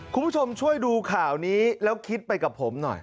คุณผู้ชมช่วยดูข่าวนี้แล้วคิดไปกับผมหน่อย